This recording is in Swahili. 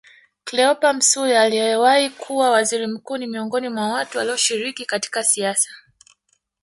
Cleopa Msuya aliyewahi kuwa Waziri Mkuu ni miongoni wa watu walioshiriki katika siasa